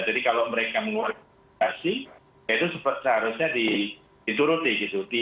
jadi kalau mereka mengorganisasi itu seharusnya dituruti gitu